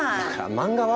漫画は？